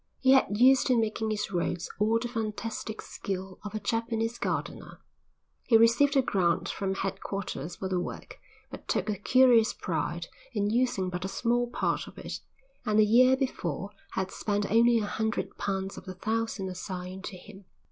He had used in making his roads all the fantastic skill of a Japanese gardener. He received a grant from headquarters for the work but took a curious pride in using but a small part of it, and the year before had spent only a hundred pounds of the thousand assigned to him.